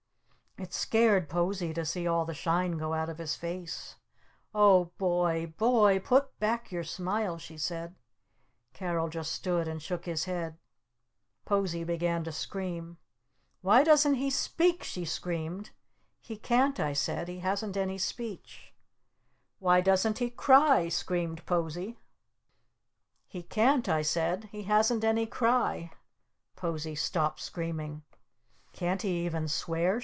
It scared Posie to see all the shine go out of his face. "Oh, Boy Boy, put back your smile!" she said. Carol just stood and shook his head. Posie began to scream. "Why doesn't he speak?" she screamed. "He can't," I said. "He hasn't any speech!" "Why doesn't he cry?" screamed Posie. "He can't," I said. "He hasn't any cry!" Posie stopped screaming. "Can't he even swear?"